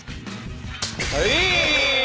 はい！